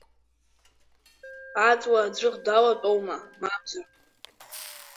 Аҵла аӡәыр далатәоума, мамзар?!